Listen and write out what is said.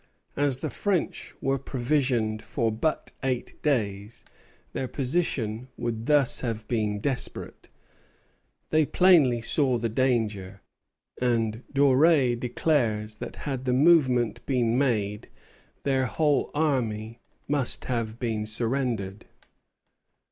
As the French were provisioned for but eight days, their position would thus have been desperate. They plainly saw the danger; and Doreil declares that had the movement been made, their whole army must have surrendered.